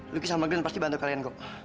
lucky sama grand pasti bantu kalian kok